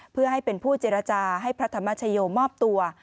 เพื่อให้เป็นผู้เจรจาให้พระธรรมชโยมอบตัว